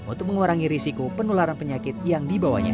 untuk mengurangi risiko penularan penyakit yang dibawanya